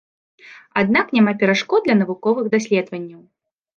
Аднак няма перашкод для навуковых даследаванняў.